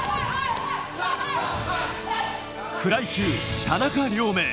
フライ級・田中亮明。